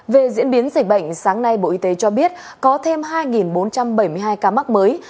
về diễn biến dịch bệnh sáng nay bộ y tế cho biết có thêm hai bốn trăm bảy mươi hai ca mắc mới